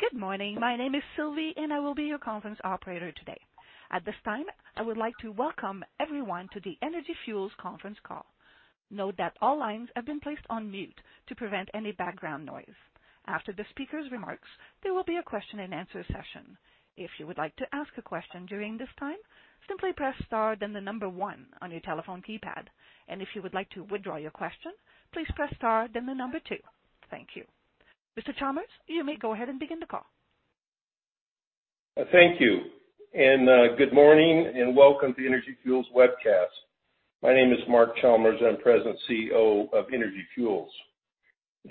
Good morning. My name is Sylvie, and I will be your conference operator today. At this time, I would like to welcome everyone to the Energy Fuels conference call. Note that all lines have been placed on mute to prevent any background noise. After the speaker's remarks, there will be a Q&A session. If you would like to ask a question during this time, simply press star then the number one on your telephone keypad. And if you would like to withdraw your question, please press star then the number two. Thank you. Mr. Chalmers, you may go ahead and begin the call. Thank you. Good morning and welcome to Energy Fuels webcast. My name is Mark Chalmers, and I'm the President and CEO of Energy Fuels.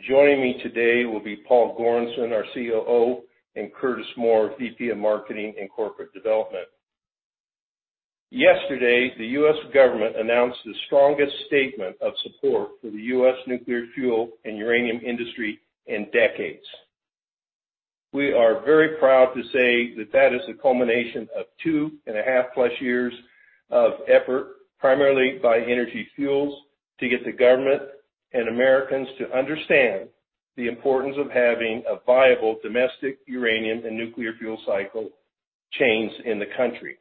Joining me today will be Paul Goranson, our COO, and Curtis Moore, VP of Marketing and Corporate Development. Yesterday, the U.S. government announced the strongest statement of support for the U.S. nuclear fuel and uranium industry in decades. We are very proud to say that that is the culmination of 2.5+ years of effort, primarily by Energy Fuels, to get the government and Americans to understand the importance of having a viable domestic uranium and nuclear fuel cycle chains in the country.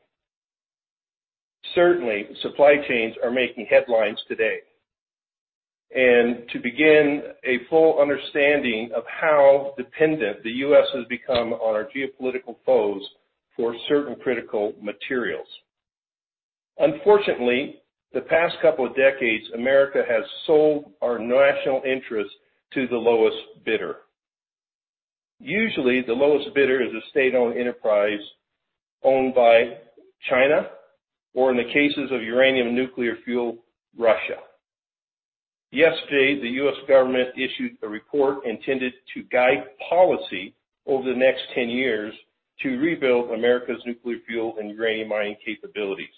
Certainly, supply chains are making headlines today, and to begin a full understanding of how dependent the U.S. has become on our geopolitical foes for certain critical materials. Unfortunately, the past couple of decades, America has sold our national interests to the lowest bidder. Usually, the lowest bidder is a state-owned enterprise owned by China, or in the cases of uranium and nuclear fuel, Russia. Yesterday, the U.S. government issued a report intended to guide policy over the next 10 years to rebuild America's nuclear fuel and uranium mining capabilities.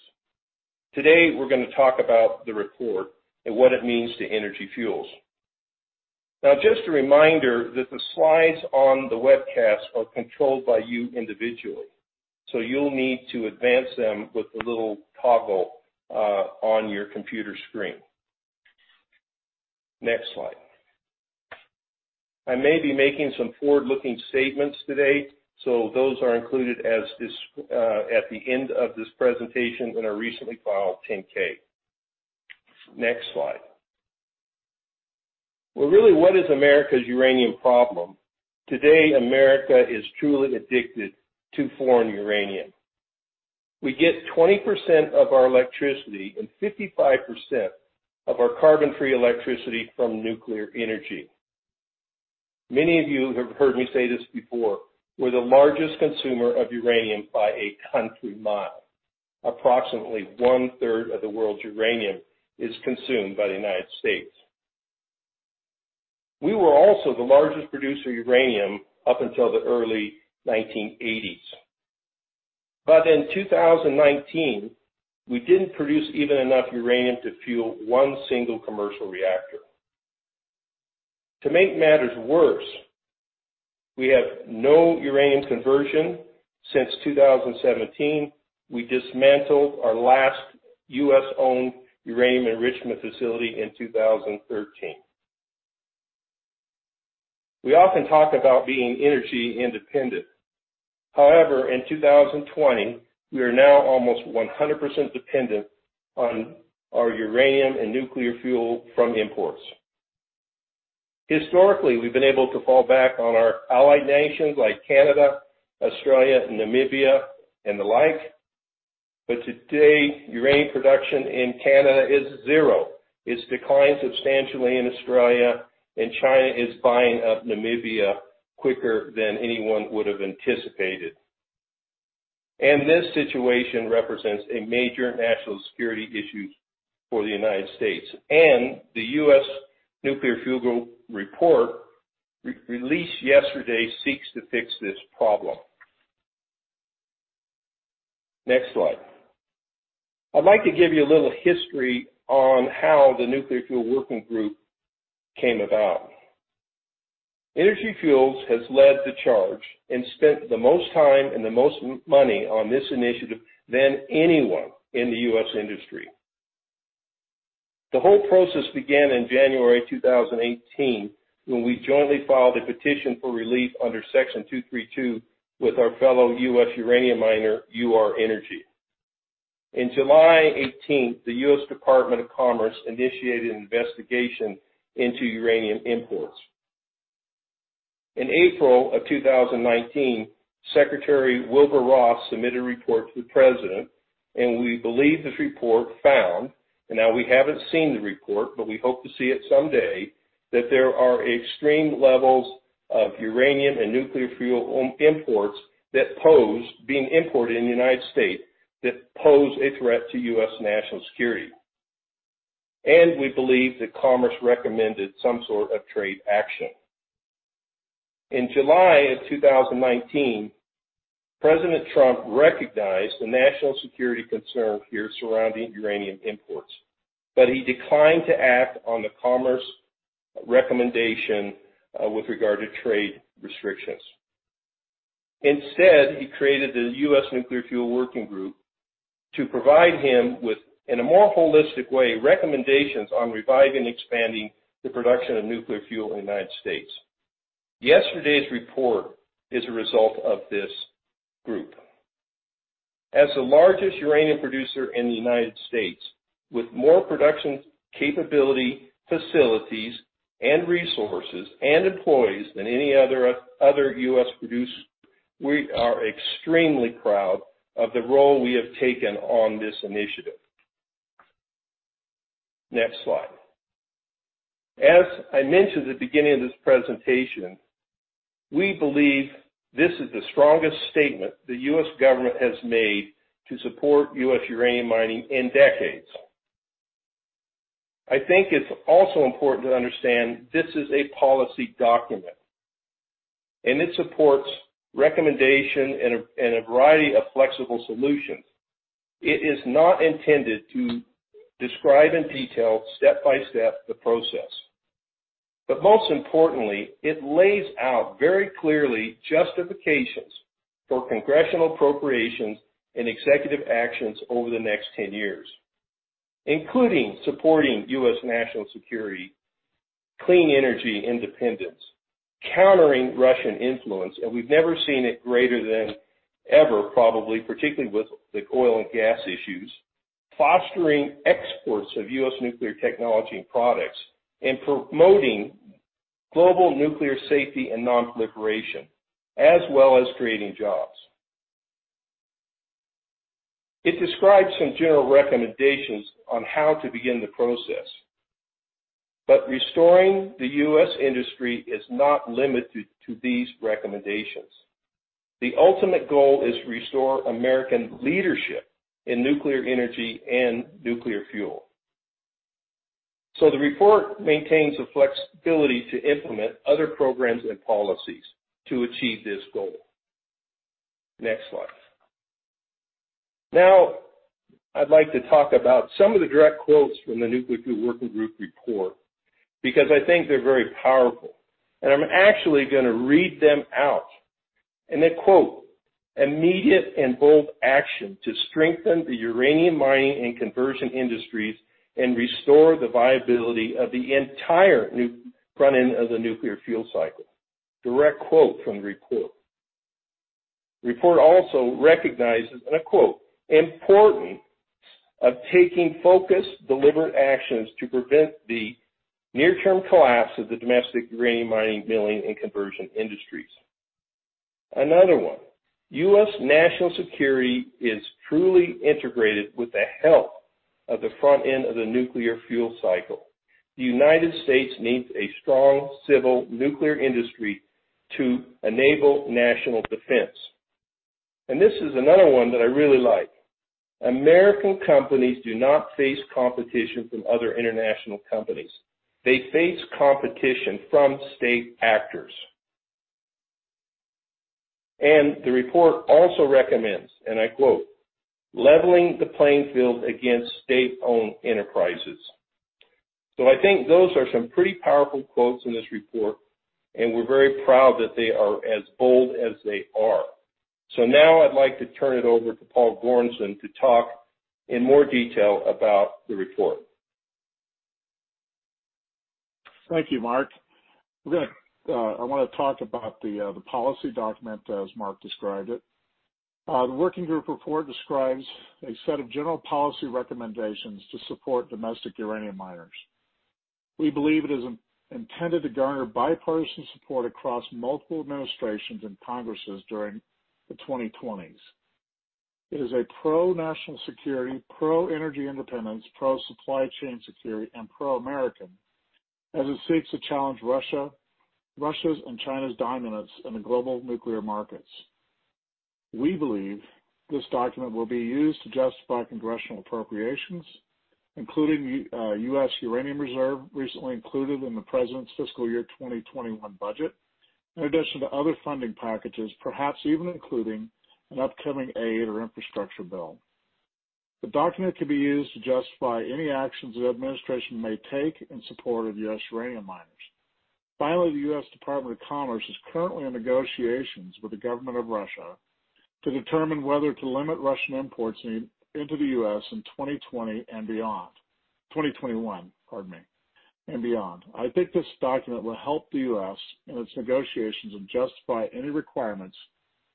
Today, we're going to talk about the report and what it means to Energy Fuels. Now, just a reminder that the slides on the webcast are controlled by you individually, so you'll need to advance them with the little toggle on your computer screen. Next slide. I may be making some forward-looking statements today, so those are included at the end of this presentation in our recently filed 10-K. Next slide. Well, really, what is America's uranium problem? Today, America is truly addicted to foreign uranium. We get 20% of our electricity and 55% of our carbon-free electricity from nuclear energy. Many of you have heard me say this before: we're the largest consumer of uranium by a country mile. Approximately one-third of the world's uranium is consumed by the United States. We were also the largest producer of uranium up until the early 1980s. In 2019, we didn't produce even enough uranium to fuel one single commercial reactor. To make matters worse, we have no uranium conversion since 2017. We dismantled our last U.S.-owned uranium enrichment facility in 2013. We often talk about being energy independent. However, in 2020, we are now almost 100% dependent on our uranium and nuclear fuel from imports. Historically, we've been able to fall back on our allied nations like Canada, Australia, Namibia, and the like, but today, uranium production in Canada is zero. It's declined substantially in Australia, and China is buying up Namibia quicker than anyone would have anticipated. This situation represents a major national security issue for the United States. The U.S. nuclear fuel report released yesterday seeks to fix this problem. Next slide. I'd like to give you a little history on how the Nuclear Fuel Working Group came about. Energy Fuels has led the charge and spent the most time and the most money on this initiative than anyone in the U.S. industry. The whole process began in January 2018 when we jointly filed a petition for relief under Section 232 with our fellow U.S. uranium miner, Ur-Energy. In July 2018, the U.S. Department of Commerce initiated an investigation into uranium imports. In April of 2019, Secretary Wilbur Ross submitted a report to the President, and we believe this report found, and now we haven't seen the report, but we hope to see it someday, that there are extreme levels of uranium and nuclear fuel imports that pose, being imported in the United States, that pose a threat to U.S. national security. We believe that Commerce recommended some sort of trade action. In July of 2019, President Trump recognized the national security concerns here surrounding uranium imports, but he declined to act on the Commerce recommendation with regard to trade restrictions. Instead, he created the U.S. Nuclear Fuel Working Group to provide him with, in a more holistic way, recommendations on reviving and expanding the production of nuclear fuel in the United States. Yesterday's report is a result of this group. As the largest uranium producer in the United States, with more production capability, facilities, and resources, and employees than any other U.S. producer, we are extremely proud of the role we have taken on this initiative. Next slide. As I mentioned at the beginning of this presentation, we believe this is the strongest statement the U.S. government has made to support U.S. uranium mining in decades. I think it's also important to understand this is a policy document, and it supports recommendations and a variety of flexible solutions. It is not intended to describe in detail, step by step, the process. But most importantly, it lays out very clearly justifications for congressional appropriations and executive actions over the next 10 years, including supporting U.S. national security, clean energy independence, countering Russian influence, and we've never seen it greater than ever, probably, particularly with the oil and gas issues, fostering exports of U.S. nuclear technology and products, and promoting global nuclear safety and non-proliferation, as well as creating jobs. It describes some general recommendations on how to begin the process. But restoring the U.S. industry is not limited to these recommendations. The ultimate goal is to restore American leadership in nuclear energy and nuclear fuel. So the report maintains the flexibility to implement other programs and policies to achieve this goal. Next slide. Now, I'd like to talk about some of the direct quotes from the Nuclear Fuel Working Group Report because I think they're very powerful. And I'm actually going to read them out. And they quote, "Immediate and bold action to strengthen the uranium mining and conversion industries and restore the viability of the entire front end of the nuclear fuel cycle." Direct quote from the report. The report also recognizes and I quote "importance of taking focused, deliberate actions to prevent the near-term collapse of the domestic uranium mining, milling, and conversion industries." Another one, "U.S. national security is truly integrated with the health of the front end of the nuclear fuel cycle. The United States needs a strong civil nuclear industry to enable national defense." And this is another one that I really like. "American companies do not face competition from other international companies. They face competition from state actors." And the report also recommends - and I quote - "leveling the playing field against state-owned enterprises." So I think those are some pretty powerful quotes in this report, and we're very proud that they are as bold as they are. So now I'd like to turn it over to Paul Goranson to talk in more detail about the report. Thank you, Mark. I want to talk about the policy document as Mark described it. The working group report describes a set of general policy recommendations to support domestic uranium miners. We believe it is intended to garner bipartisan support across multiple administrations and congresses during the 2020s. It is a pro-national security, pro-energy independence, pro-supply chain security, and pro-American as it seeks to challenge Russia's and China's dominance in the global nuclear markets. We believe this document will be used to justify congressional appropriations, including U.S. uranium reserves recently included in the President's fiscal year 2021 budget, in addition to other funding packages, perhaps even including an upcoming aid or infrastructure bill. The document can be used to justify any actions the administration may take in support of U.S. uranium miners. Finally, the U.S. Department of Commerce is currently in negotiations with the government of Russia to determine whether to limit Russian imports into the U.S. in 2020 and beyond, 2021, pardon me, and beyond. I think this document will help the U.S. in its negotiations and justify any requirements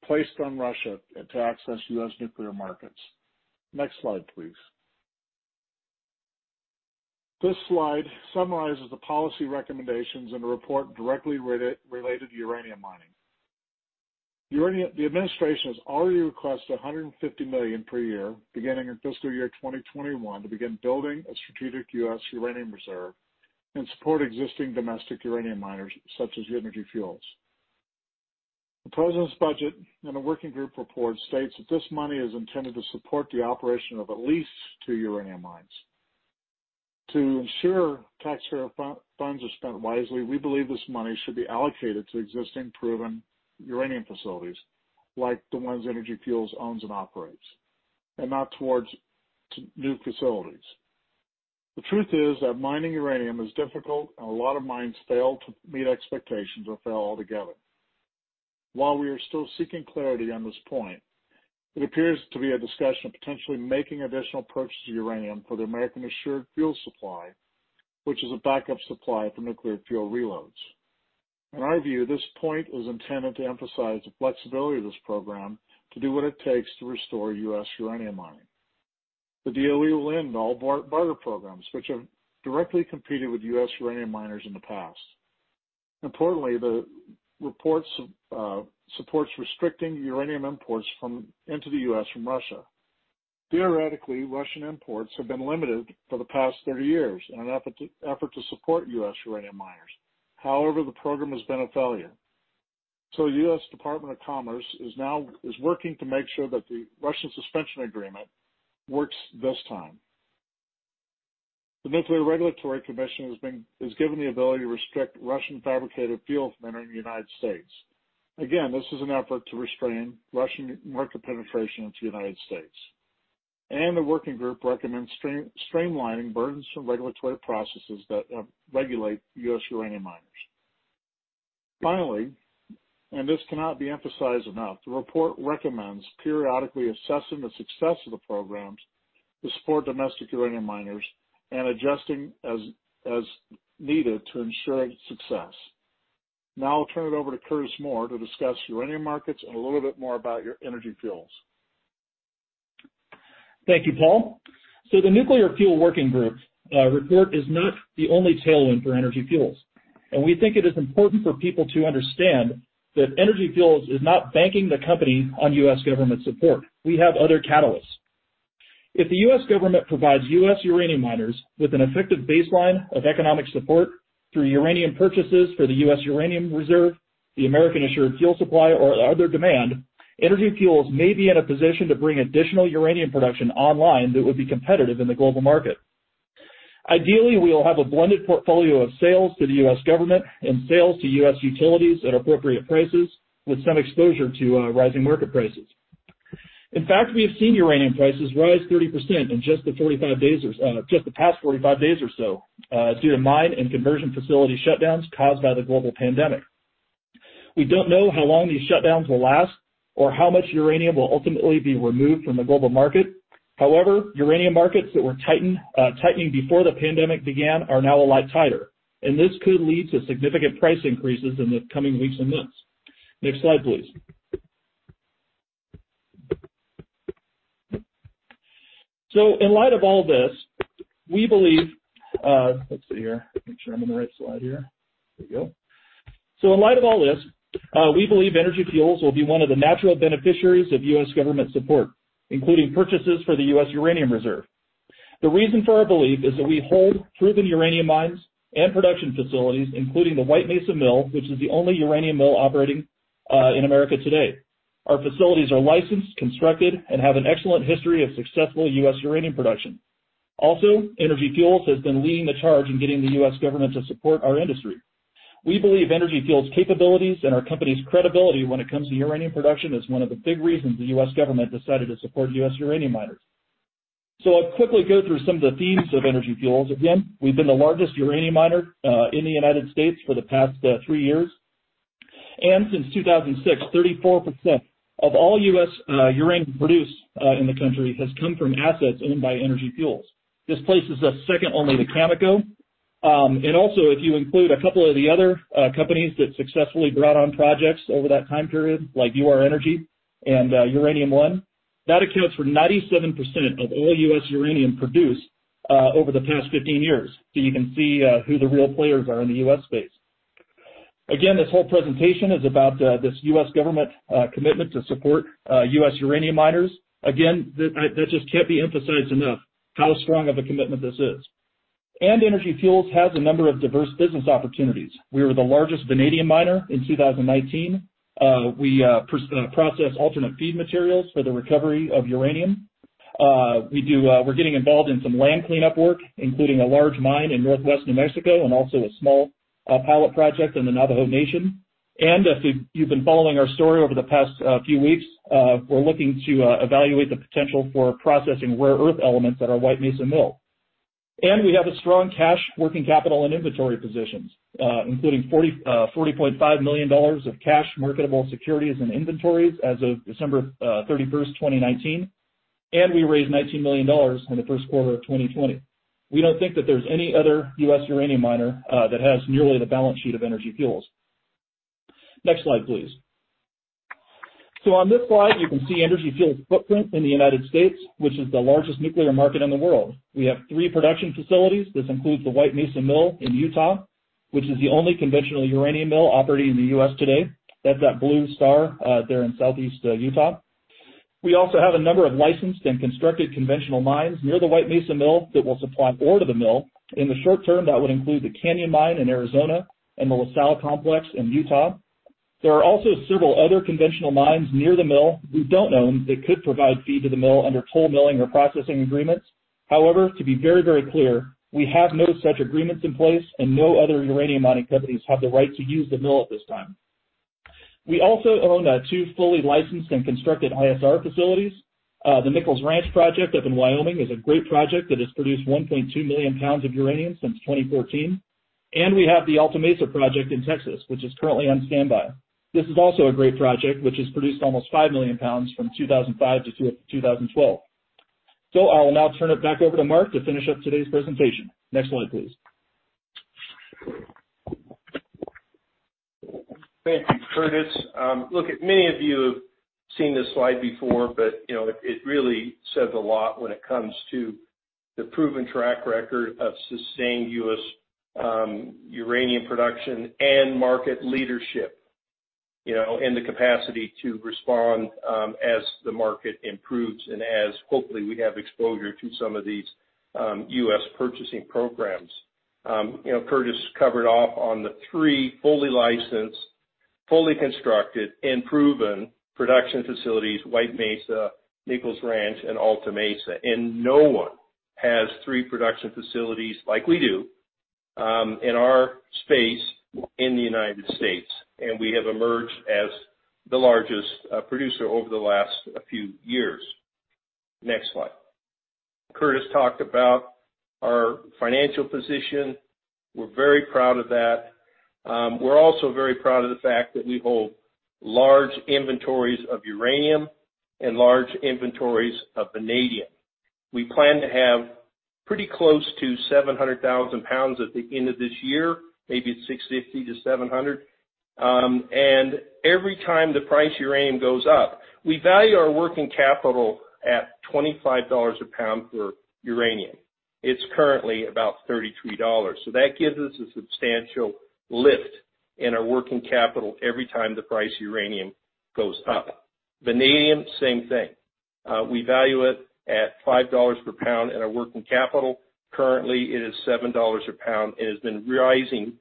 placed on Russia to access U.S. nuclear markets. Next slide, please. This slide summarizes the policy recommendations in the report directly related to uranium mining. The administration has already requested $150 million per year, beginning in fiscal year 2021, to begin building a strategic U.S. uranium reserve and support existing domestic uranium miners such as Energy Fuels. The President's budget and the working group report states that this money is intended to support the operation of at least two uranium mines. To ensure taxpayer funds are spent wisely, we believe this money should be allocated to existing proven uranium facilities, like the ones Energy Fuels owns and operates, and not towards new facilities. The truth is that mining uranium is difficult, and a lot of mines fail to meet expectations or fail altogether. While we are still seeking clarity on this point, it appears to be a discussion of potentially making additional purchases of uranium for the American Assured Fuel Supply, which is a backup supply for nuclear fuel reloads. In our view, this point is intended to emphasize the flexibility of this program to do what it takes to restore U.S. uranium mining. The deal will end all barter programs, which have directly competed with U.S. uranium miners in the past. Importantly, the report supports restricting uranium imports into the U.S. from Russia. Theoretically, Russian imports have been limited for the past 30 years in an effort to support U.S. uranium miners. However, the program has been a failure. The U.S. Department of Commerce is working to make sure that the Russian Suspension Agreement works this time. The Nuclear Regulatory Commission has been given the ability to restrict Russian fabricated fuel from entering the United States. Again, this is an effort to restrain Russian market penetration into the United States. The working group recommends streamlining burdensome regulatory processes that regulate U.S. uranium miners. Finally, and this cannot be emphasized enough, the report recommends periodically assessing the success of the programs to support domestic uranium miners and adjusting as needed to ensure success. Now I'll turn it over to Curtis Moore to discuss uranium markets and a little bit more about Energy Fuels. Thank you, Paul. So the Nuclear Fuel Working Group Report is not the only tailwind for Energy Fuels. We think it is important for people to understand that Energy Fuels is not banking the company on U.S. government support. We have other catalysts. If the U.S. government provides U.S. uranium miners with an effective baseline of economic support through uranium purchases for the U.S. uranium reserve, the American Assured Fuel Supply, or other demand, Energy Fuels may be in a position to bring additional uranium production online that would be competitive in the global market. Ideally, we will have a blended portfolio of sales to the U.S. government and sales to U.S. utilities at appropriate prices, with some exposure to rising market prices. In fact, we have seen uranium prices rise 30% in just the past 45 days or so due to mine and conversion facility shutdowns caused by the global pandemic. We don't know how long these shutdowns will last or how much uranium will ultimately be removed from the global market. However, uranium markets that were tightening before the pandemic began are now a lot tighter. And this could lead to significant price increases in the coming weeks and months. Next slide, please. So in light of all this, we believe, let's see here. Make sure I'm on the right slide here. There we go. So in light of all this, we believe Energy Fuels will be one of the natural beneficiaries of U.S. government support, including purchases for the U.S. uranium reserve. The reason for our belief is that we hold proven uranium mines and production facilities, including the White Mesa Mill, which is the only uranium mill operating in America today. Our facilities are licensed, constructed, and have an excellent history of successful U.S. uranium production. Also, Energy Fuels has been leading the charge in getting the U.S. government to support our industry. We believe Energy Fuels' capabilities and our company's credibility when it comes to uranium production is one of the big reasons the U.S. government decided to support U.S. uranium miners. I'll quickly go through some of the themes of Energy Fuels. Again, we've been the largest uranium miner in the United States for the past three years. Since 2006, 34% of all U.S. uranium produced in the country has come from assets owned by Energy Fuels. This places us second only to Cameco. And also, if you include a couple of the other companies that successfully brought on projects over that time period, like UR Energy and Uranium One, that accounts for 97% of all U.S. uranium produced over the past 15 years. So you can see who the real players are in the U.S. space. Again, this whole presentation is about this U.S. government commitment to support U.S. uranium miners. Again, that just can't be emphasized enough, how strong of a commitment this is. And Energy Fuels has a number of diverse business opportunities. We were the largest vanadium miner in 2019. We process alternate feed materials for the recovery of uranium. We're getting involved in some land cleanup work, including a large mine in northwest New Mexico and also a small pilot project in the Navajo Nation. And if you've been following our story over the past few weeks, we're looking to evaluate the potential for processing rare earth elements at our White Mesa Mill. And we have a strong cash, working capital, and inventory positions, including $40.5 million of cash, marketable securities, and inventories as of December 31st, 2019. And we raised $19 million in the Q1 of 2020. We don't think that there's any other U.S. uranium miner that has nearly the balance sheet of Energy Fuels. Next slide, please. So on this slide, you can see Energy Fuels' footprint in the United States, which is the largest nuclear market in the world. We have three production facilities. This includes the White Mesa Mill in Utah, which is the only conventional uranium mill operating in the U.S. today. That's that blue star there in southeast Utah. We also have a number of licensed and constructed conventional mines near the White Mesa Mill that will supply ore to the mill. In the short term, that would include the Canyon Mine in Arizona and the La Sal Complex in Utah. There are also several other conventional mines near the mill we don't own that could provide feed to the mill under toll milling or processing agreements. However, to be very, very clear, we have no such agreements in place, and no other uranium mining companies have the right to use the mill at this time. We also own two fully licensed and constructed ISR facilities. The Nichols Ranch project up in Wyoming is a great project that has produced 1.2 million pounds of uranium since 2014. We have the Alta Mesa project in Texas, which is currently on standby. This is also a great project, which has produced almost 5 million pounds from 2005 to 2012. So I'll now turn it back over to Mark to finish up today's presentation. Next slide, please. Thank you, Curtis. Look, many of you have seen this slide before, but it really says a lot when it comes to the proven track record of sustained U.S. uranium production and market leadership and the capacity to respond as the market improves and as, hopefully, we have exposure to some of these U.S. purchasing programs. Curtis covered off on the three fully licensed, fully constructed, and proven production facilities: White Mesa, Nichols Ranch, and Alta Mesa. No one has three production facilities like we do in our space in the United States. We have emerged as the largest producer over the last few years. Next slide. Curtis talked about our financial position. We're very proud of that. We're also very proud of the fact that we hold large inventories of uranium and large inventories of vanadium. We plan to have pretty close to 700,000 pounds at the end of this year, maybe 650 to 700. Every time the price of uranium goes up, we value our working capital at $25 a pound for uranium. It's currently about $33. That gives us a substantial lift in our working capital every time the price of uranium goes up. Vanadium, same thing. We value it at $5 per pound in our working capital. Currently, it is $7 a pound. It has been rising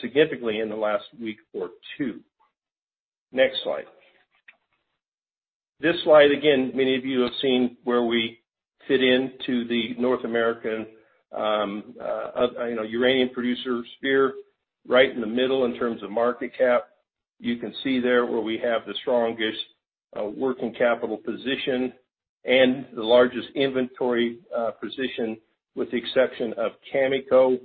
significantly in the last week or two. Next slide. This slide, again, many of you have seen where we fit into the North American uranium producer sphere. Right in the middle in terms of market cap, you can see there where we have the strongest working capital position and the largest inventory position with the exception of Cameco.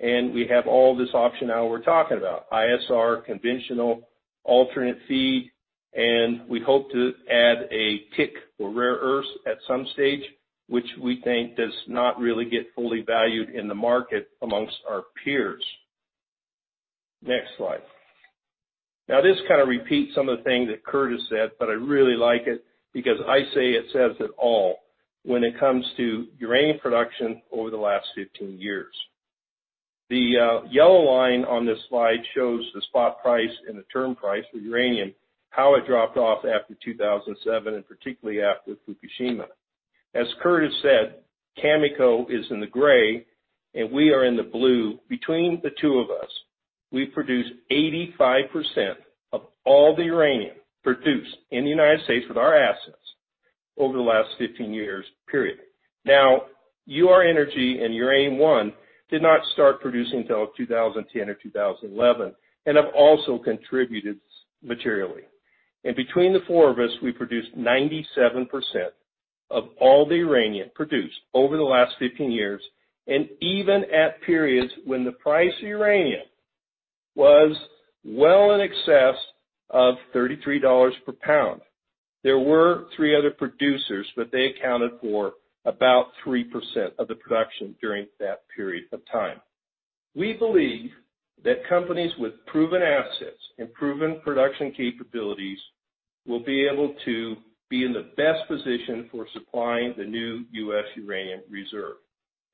And we have all these options now we're talking about: ISR, conventional, alternate feed. And we hope to add a tick for rare earths at some stage, which we think does not really get fully valued in the market amongst our peers. Next slide. Now, this kind of repeats some of the things that Curtis said, but I really like it because it says it all when it comes to uranium production over the last 15 years. The yellow line on this slide shows the spot price and the term price for uranium, how it dropped off after 2007, and particularly after Fukushima. As Curtis said, Cameco is in the gray, and we are in the blue. Between the two of us, we've produced 85% of all the uranium produced in the United States with our assets over the last 15 years. Now, UR-Energy and Uranium One did not start producing until 2010 or 2011 and have also contributed materially. Between the four of us, we've produced 97% of all the uranium produced over the last 15 years, and even at periods when the price of uranium was well in excess of $33 per pound. There were three other producers, but they accounted for about 3% of the production during that period of time. We believe that companies with proven assets and proven production capabilities will be able to be in the best position for supplying the new U.S. uranium reserve.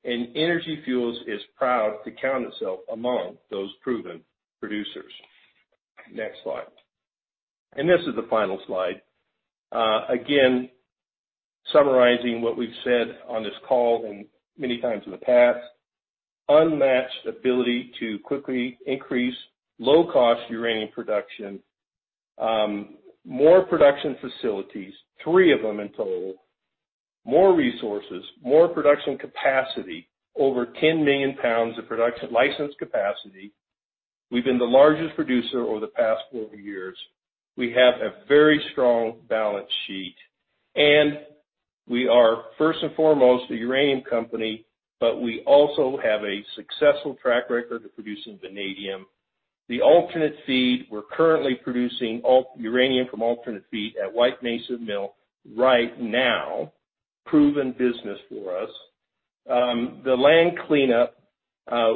Energy Fuels is proud to count itself among those proven producers. Next slide. This is the final slide. Again, summarizing what we've said on this call and many times in the past: unmatched ability to quickly increase low-cost uranium production, more production facilities, 3 of them in total, more resources, more production capacity, over 10 million pounds of production licensed capacity. We've been the largest producer over the past 4 years. We have a very strong balance sheet. We are, first and foremost, a uranium company, but we also have a successful track record of producing vanadium. The alternate feed, we're currently producing uranium from alternate feed at White Mesa Mill right now, proven business for us. The land cleanup,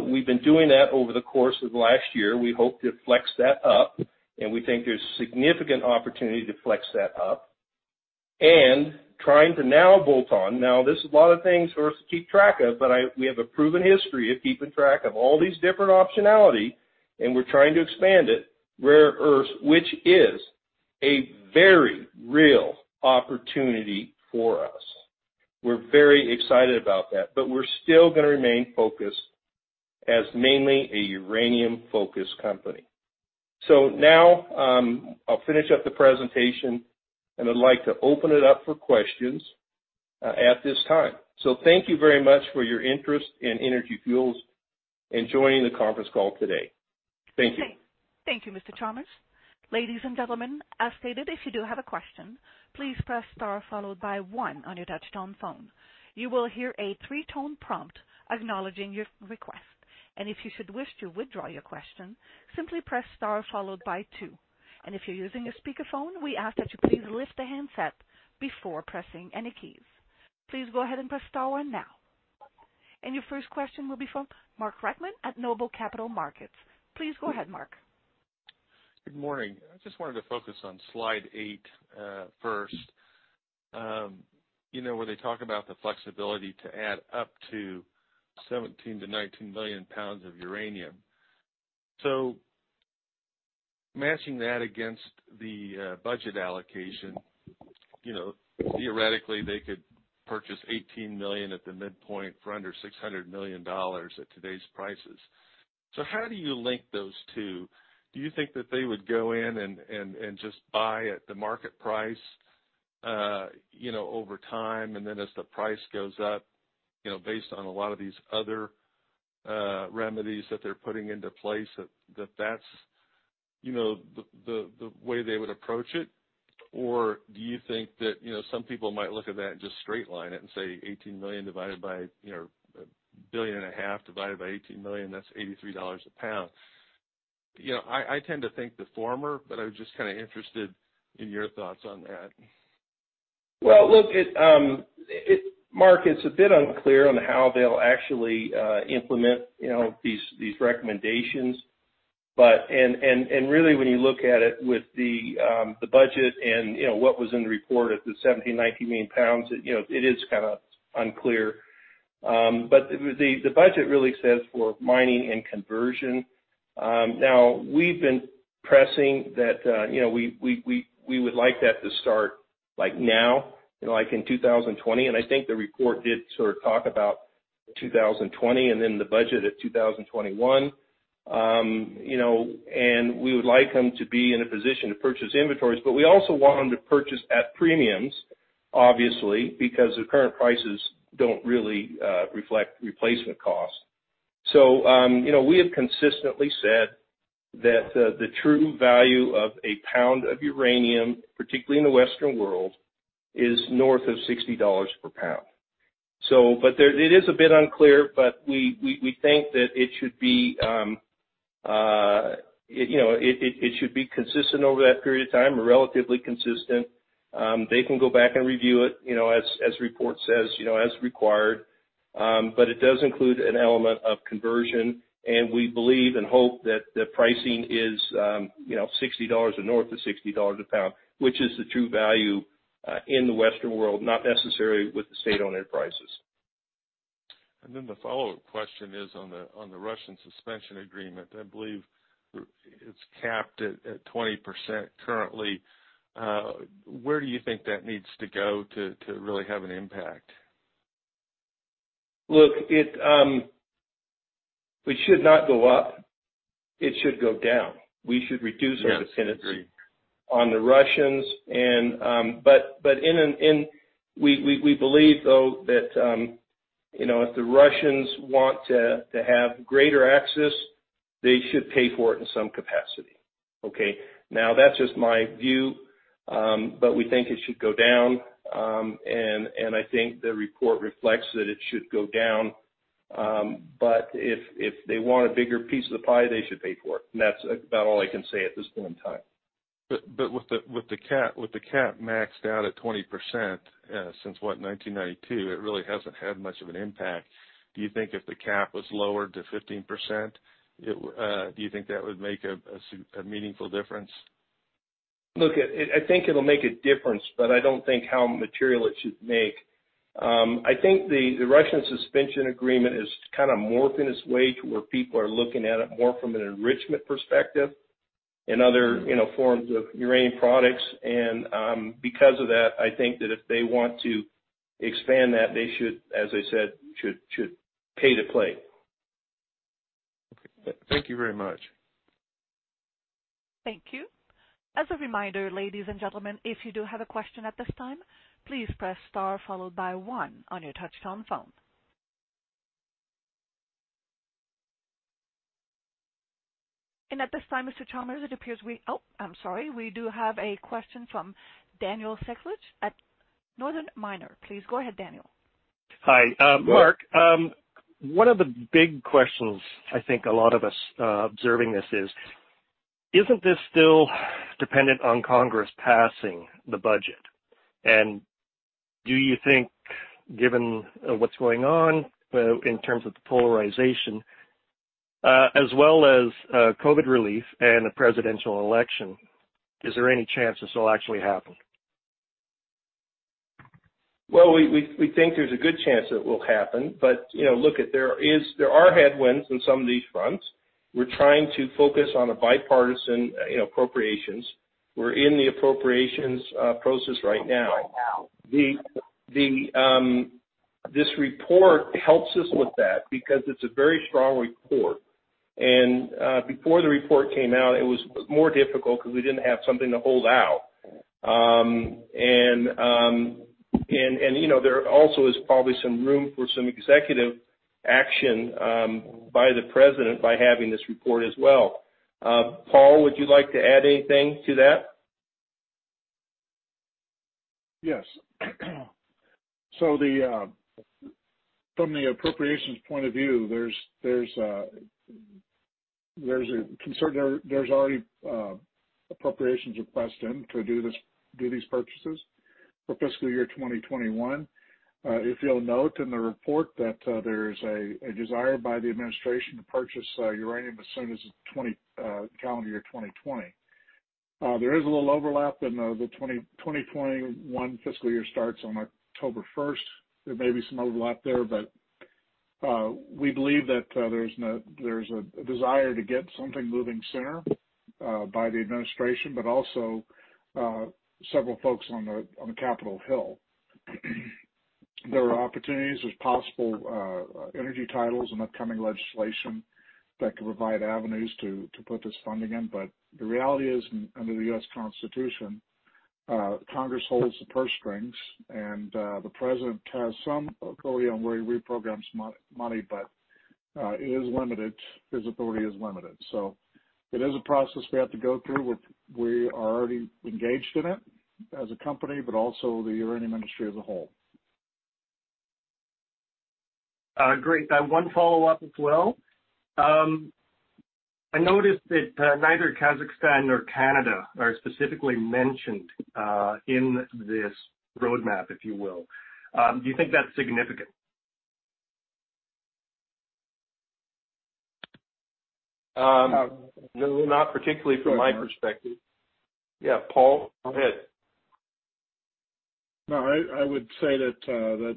we've been doing that over the course of the last year. We hope to flex that up, and we think there's significant opportunity to flex that up. Trying to now bolt on. Now, this is a lot of things for us to keep track of, but we have a proven history of keeping track of all these different optionality, and we're trying to expand it. Rare earths, which is a very real opportunity for us. We're very excited about that, but we're still going to remain focused as mainly a uranium-focused company. So now I'll finish up the presentation, and I'd like to open it up for questions at this time. So thank you very much for your interest in Energy Fuels and joining the conference call today. Thank you. Thank you, Mr. Chalmers. Ladies and gentlemen, as stated, if you do have a question, please press star followed by one on your touch-tone phone. You will hear a three-tone prompt acknowledging your request. If you should wish to withdraw your question, simply press star followed by two. If you're using a speakerphone, we ask that you please lift the handset before pressing any keys. Please go ahead and press star now. Your first question will be from Mark Reichman at Noble Capital Markets. Please go ahead, Mark. Good morning. I just wanted to focus on slide 8 first. You know, where they talk about the flexibility to add up to 17 million to 19 million pounds of uranium. So matching that against the budget allocation, theoretically, they could purchase 18 million at the midpoint for under $600 million at today's prices. So how do you link those two? Do you think that they would go in and just buy at the market price over time, and then as the price goes up, based on a lot of these other remedies that they're putting into place, that that's the way they would approach it? Or do you think that some people might look at that and just straight line it and say 18 million divided by $1.5 billion divided by 18 million, that's $83 a pound? I tend to think the former, but I was just kind of interested in your thoughts on that. Well, look, Mark, it's a bit unclear on how they'll actually implement these recommendations. Really, when you look at it with the budget and what was in the report at the 17 million to 19 million pounds, it is kind of unclear. The budget really says for mining and conversion. Now, we've been pressing that we would like that to start now, like in 2020. And I think the report did sort of talk about 2020 and then the budget at 2021. And we would like them to be in a position to purchase inventories, but we also want them to purchase at premiums, obviously, because the current prices don't really reflect replacement costs. So we have consistently said that the true value of a pound of uranium, particularly in the Western world, is north of $60 per pound. But it is a bit unclear, but we think that it should be consistent over that period of time, relatively consistent. They can go back and review it, as the report says, as required. But it does include an element of conversion. And we believe and hope that the pricing is $60 or north of $60 a pound, which is the true value in the Western world, not necessarily with the state-owned enterprises. And then the follow-up question is on the Russian Suspension Agreement. I believe it's capped at 20% currently. Where do you think that needs to go to really have an impact? Look, it should not go up. It should go down. We should reduce our dependency on the Russians. But we believe, though, that if the Russians want to have greater access, they should pay for it in some capacity. Okay? Now, that's just my view. But we think it should go down. And I think the report reflects that it should go down. But if they want a bigger piece of the pie, they should pay for it. And that's about all I can say at this point in time. But with the cap maxed out at 20% since, what, 1992, it really hasn't had much of an impact. Do you think if the cap was lowered to 15%, do you think that would make a meaningful difference? Look, I think it'll make a difference, but I don't think how material it should make. I think the Russian Suspension Agreement is kind of morphing its way to where people are looking at it more from an enrichment perspective and other forms of uranium products. And because of that, I think that if they want to expand that, they should, as I said, pay to play. Okay. Thank you very much. Thank you. As a reminder, ladies and gentlemen, if you do have a question at this time, please press star followed by one on your touch-tone phone. And at this time, Mr. Chalmers, it appears we, oh, I'm sorry. We do have a question from Daniel Sekulich at The Northern Miner. Please go ahead, Daniel. Hi. Mark, one of the big questions I think a lot of us observing this is, isn't this still dependent on Congress passing the budget? And do you think, given what's going on in terms of the polarization, as well as COVID relief and the presidential election, is there any chance this will actually happen? Well, we think there's a good chance it will happen. But look, there are headwinds on some of these fronts. We're trying to focus on the bipartisan appropriations. We're in the appropriations process right now. This report helps us with that because it's a very strong report. And before the report came out, it was more difficult because we didn't have something to hold out. And there also is probably some room for some executive action by the president by having this report as well. Paul, would you like to add anything to that? Yes. So from the appropriations point of view, there's a concern. There's already appropriations requests in to do these purchases for fiscal year 2021. If you'll note in the report that there's a desire by the administration to purchase uranium as soon as the calendar year 2020. There is a little overlap in the 2021 fiscal year starts on October 1st. There may be some overlap there, but we believe that there's a desire to get something moving sooner by the administration, but also several folks on the Capitol Hill. There are opportunities. There's possible energy titles and upcoming legislation that could provide avenues to put this funding in. But the reality is, under the U.S. Constitution, Congress holds the purse strings, and the president has some authority on where he reprograms money, but his authority is limited. So it is a process we have to go through. We are already engaged in it as a company, but also the uranium industry as a whole. Great. One follow-up as well. I noticed that neither Kazakhstan nor Canada are specifically mentioned in this roadmap, if you will. Do you think that's significant? No, not particularly from my perspective. Yeah, Paul, go ahead. No, I would say that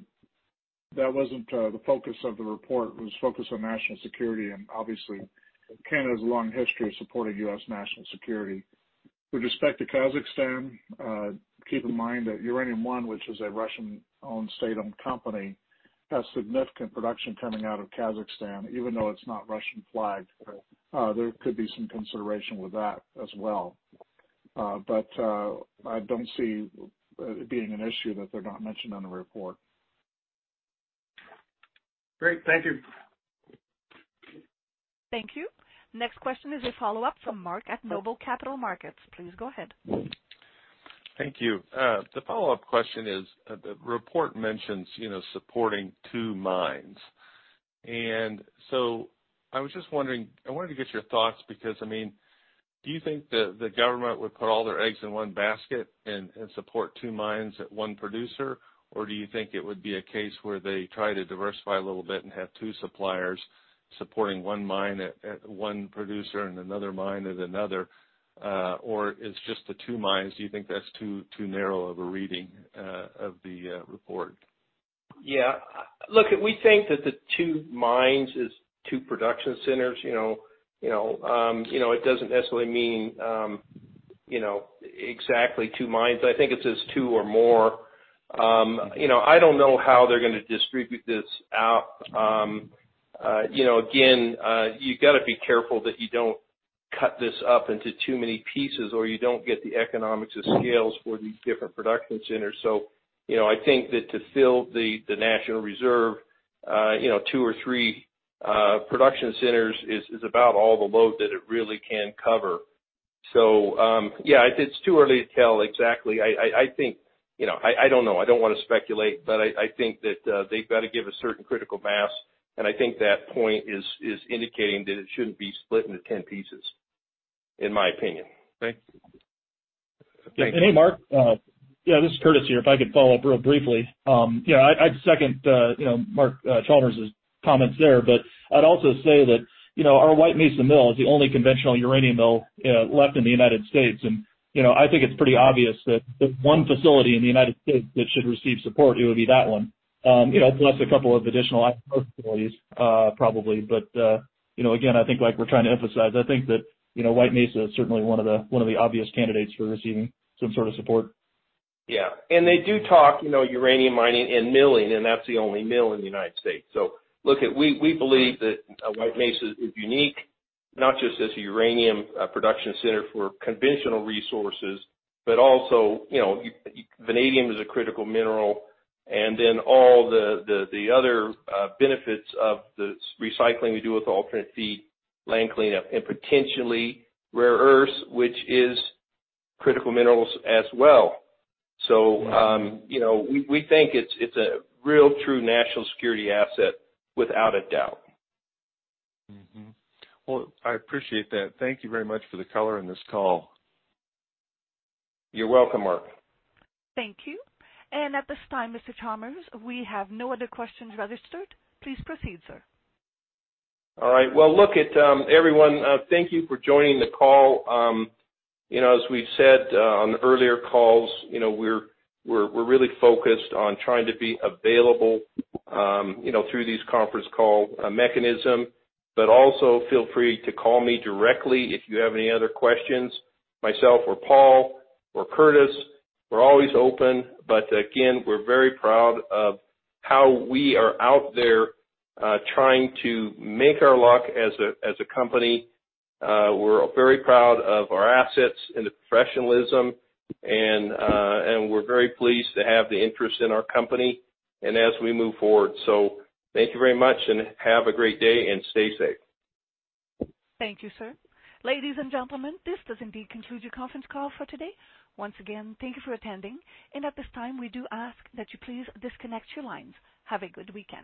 that wasn't the focus of the report. It was focused on national security. Obviously, Canada has a long history of supporting U.S. national security. With respect to Kazakhstan, keep in mind that Uranium One, which is a Russian-owned state-owned company, has significant production coming out of Kazakhstan, even though it's not Russian-flagged. There could be some consideration with that as well. I don't see it being an issue that they're not mentioned in the report. Great. Thank you. Thank you. Next question is a follow-up from Mark at Noble Capital Markets. Please go ahead. Thank you. The follow-up question is, the report mentions supporting two mines. So I was just wondering. I wanted to get your thoughts because, I mean, do you think the government would put all their eggs in one basket and support two mines at one producer, or do you think it would be a case where they try to diversify a little bit and have two suppliers supporting one mine at one producer and another mine at another, or is just the two mines? Do you think that's too narrow of a reading of the report? Yeah. Look, we think that the two mines is two production centers. It doesn't necessarily mean exactly two mines. I think it's just two or more. I don't know how they're going to distribute this out. Again, you've got to be careful that you don't cut this up into too many pieces or you don't get the economics of scales for these different production centers. So I think that to fill the national reserve, two or three production centers is about all the load that it really can cover. So yeah, it's too early to tell exactly. I think, I don't know. I don't want to speculate, but I think that they've got to give a certain critical mass. And I think that point is indicating that it shouldn't be split into 10 pieces, in my opinion. Thank you. Hey, Mark. Yeah, this is Curtis here. If I could follow up real briefly, I'd second Mark Chalmers' comments there. But I'd also say that our White Mesa Mill is the only conventional uranium mill left in the United States. And I think it's pretty obvious that one facility in the United States that should receive support, it would be that one, plus a couple of additional ISR facilities, probably. But again, I think, like we're trying to emphasize, I think that White Mesa is certainly one of the obvious candidates for receiving some sort of support. Yeah. And they do talk uranium mining and milling, and that's the only mill in the United States. So look, we believe that White Mesa is unique, not just as a uranium production center for conventional resources, but also vanadium is a critical mineral. And then all the other benefits of the recycling we do with alternate feed, land cleanup, and potentially rare earths, which is critical minerals as well. So we think it's a real true national security asset, without a doubt. Well, I appreciate that. Thank you very much for the color in this call. You're welcome, Mark. Thank you. At this time, Mr. Chalmers, we have no other questions registered. Please proceed, sir. All right. Well, look, everyone, thank you for joining the call. As we've said on earlier calls, we're really focused on trying to be available through these conference call mechanisms. But also feel free to call me directly if you have any other questions, myself or Paul or Curtis. We're always open. But again, we're very proud of how we are out there trying to make our luck as a company. We're very proud of our assets and the professionalism. And we're very pleased to have the interest in our company and as we move forward. So thank you very much and have a great day and stay safe. Thank you, sir. Ladies and gentlemen, this does indeed conclude your conference call for today. Once again, thank you for attending. At this time, we do ask that you please disconnect your lines. Have a good weekend.